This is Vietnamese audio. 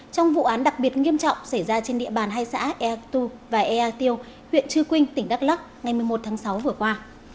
trong vụ án đặc biệt nghiêm trọng xảy ra trên địa bàn hai xã ea tu và ea tiêu huyện trư quynh tỉnh đắk lắc ngày một mươi một tháng sáu vừa qua